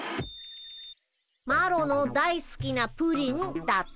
「マロのだいすきなプリン」だって。